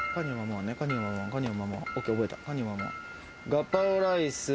ガパオライス。